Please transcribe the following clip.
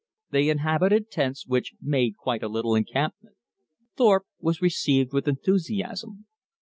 They inhabited tents, which made quite a little encampment. Thorpe was received with enthusiasm.